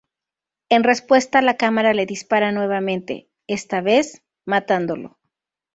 En respuesta, la cámara le dispara nuevamente, esta vez matándolo.